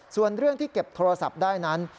ส่วนเรื่องที่เก็บโทรศัพท์ได้นั้น